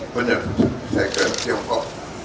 benar saya ke tiongkok